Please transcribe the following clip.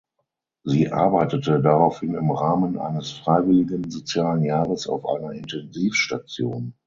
Sie arbeitete daraufhin im Rahmen eines freiwilligen sozialen Jahres auf einer Intensivstation.